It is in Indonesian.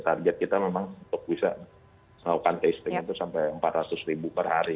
target kita memang untuk bisa melakukan testing itu sampai empat ratus ribu per hari